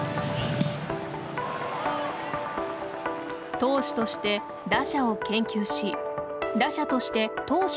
投手として打者を研究し打者として投手を分析。